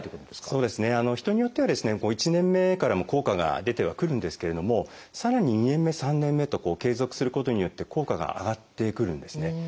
人によってはですね１年目からも効果が出てはくるんですけれどもさらに２年目３年目と継続することによって効果が上がってくるんですね。